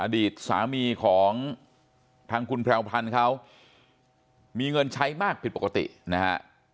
อดีตสามีของทางคุณแพรวพันธ์เขามีเงินใช้มากผิดปกตินะฮะ